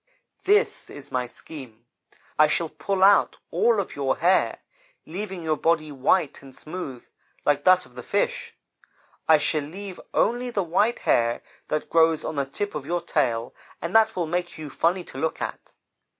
This is my scheme; I shall pull out all of your hair, leaving your body white and smooth, like that of the fish. I shall leave only the white hair that grows on the tip of your tail, and that will make you funny to look at.